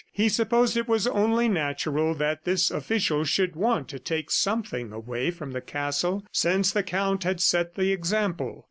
He supposed it was only natural that this official should want to take something away from the castle, since the Count had set the example.